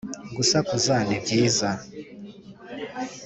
gusakuza ni byiza